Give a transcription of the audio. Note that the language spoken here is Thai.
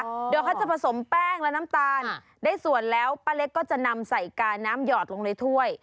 เดี๋ยวเขาจะผสมแป้งและน้ำตาลได้ส่วนแล้วป้าเล็กก็จะนำใส่กาน้ำหยอดลงในถ้วย